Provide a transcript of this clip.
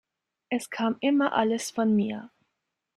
Es kam immer alles von mir.